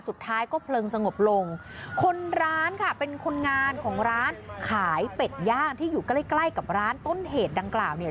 สุดท้ายก็เพลิงสงบลงคนร้ายค่ะเป็นคนงานของร้านขายเป็ดย่างที่อยู่ใกล้ใกล้กับร้านต้นเหตุดังกล่าวเนี่ย